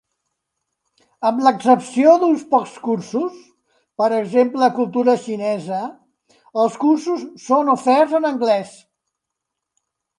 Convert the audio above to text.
Amb l'excepció d'uns pocs cursos, per exemple cultura xinesa, els cursos són oferts en anglès.